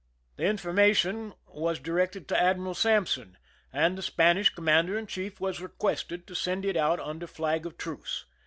The information was directed to Admiral Sampson, and the Spanish commander in chief was requested to send it out under flag of truce.